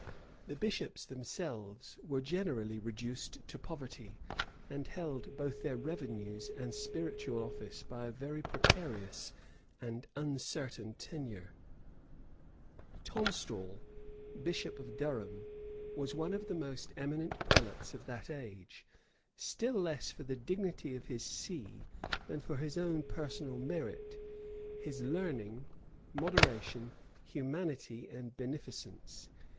[] The bishops themselves were generally reduced to poverty, and held both their revenues and spiritual office by a very precarious and uncertain tenure. * 5 and 6 Edward VI. cap. 2. 5 and 6 Edward VI. cap, 3. Burnet, vol ii. p. 202. Tonstal, bishop of Durham, was one of the most eminent prelates of that age, still less for the dignity of his see, than for his own personal merit, his learning, moderation, humanity, and beneficence.